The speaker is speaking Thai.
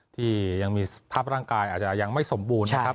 ที่ยังมีสภาพร่างกายอาจจะยังไม่สมบูรณ์นะครับ